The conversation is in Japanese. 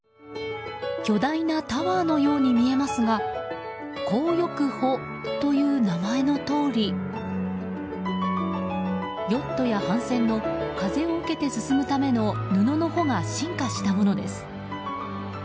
巨大なタワーのように見えますが硬翼帆という名前のとおりヨットや帆船の風を受けて進むための布の帆が進化したものです。